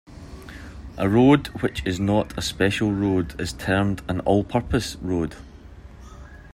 A road which is not a special road is termed an "all-purpose" road.